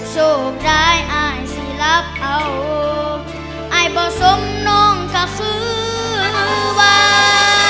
โชคดายอายสิรับเอาอายบอสงนองขาขือบา